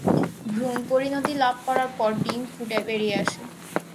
ভ্রূণ পরিণতি লাভ করার পর ডিম ফুটে বেরিয়ে আসে।